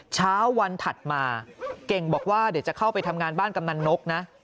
เช้าวันถัดมาเก่งบอกว่าเดี๋ยวจะเข้าไปทำงานบ้านกำนันนกนะ